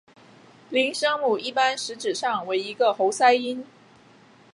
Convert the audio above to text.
零声母一般实质上为一个喉塞音。